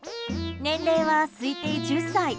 年齢は推定１０歳。